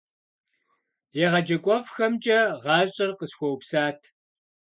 ЕгъэджакӀуэфӀхэмкӀэ гъащӀэр къысхуэупсат.